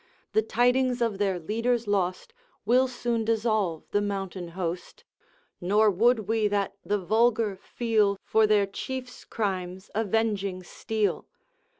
The tidings of their leaders lost Will soon dissolve the mountain host, Nor would we that the vulgar feel, For their Chief's crimes, avenging steel.